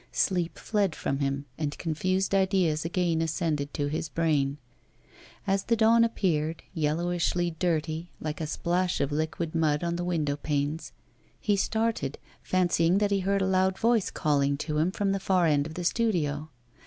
Sleep fled from him, and confused ideas again ascended to his brain. As the dawn appeared, yellowishly dirty, like a splash of liquid mud on the window panes, he started, fancying that he heard a loud voice calling to him from the far end of the studio.